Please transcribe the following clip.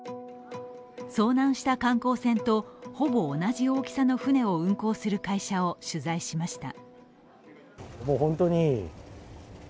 遭難した観光船とほぼ同じ大きさの船を運航する会社を取材しました。